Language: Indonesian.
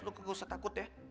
lo gak usah takut ya